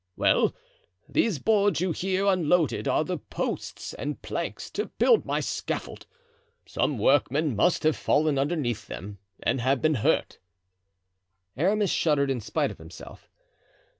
Well, these boards you hear unloaded are the posts and planks to build my scaffold. Some workmen must have fallen underneath them and been hurt." Aramis shuddered in spite of himself.